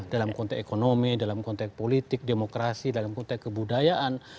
dalam konteks ekonomi dalam konteks politik demokrasi dalam konteks kebudayaan